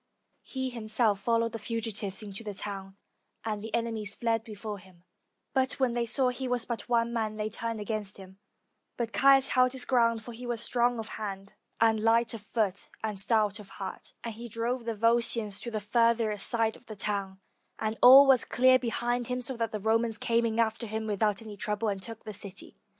He him self followed the fugitives into the town, and the enemy fled before him ; but when they saw that he was but one man, they turned against him, but Caius held his ground, for he was strong of hand, and light of foot, and stout of heart, and he drove the Volscians to the farthest side of the town, and all was clear behind him; so that the Romans came in after him without any trouble, and took the city.